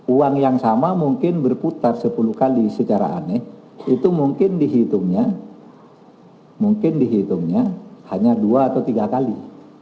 uang yang sama mungkin berputar sepuluh kali secara aneh itu mungkin dihitungnya mungkin dihitungnya hanya dua atau tiga kali